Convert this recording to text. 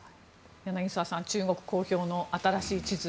柳澤さん中国公表の新しい地図